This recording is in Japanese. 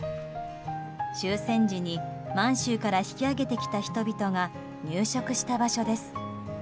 終戦時に満州から引き揚げてきた人々が入植した場所です。